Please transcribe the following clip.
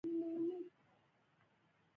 • هغه په ناامیدۍ کې ومړ.